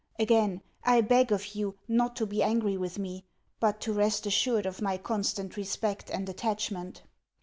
Again I beg of you not to be angry with me, but to rest assured of my constant respect and attachment.